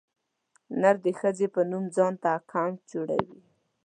نر د ښځې په نوم ځانته اکاونټ جوړوي.